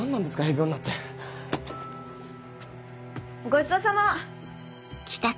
ごちそうさま。